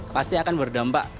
pasti akan berdampak